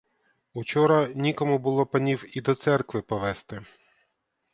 Учора нікому було панів і до церкви повезти.